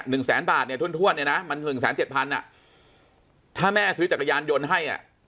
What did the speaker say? หนึ่งแสนบาทเนี่ยถ้วนถ้วนเนี่ยนะมันหนึ่งแสนเจ็ดพันอ่ะถ้าแม่ซื้อจักรยานยนต์ให้อ่ะ